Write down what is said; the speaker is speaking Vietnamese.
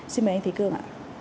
xin mời anh thế cương ạ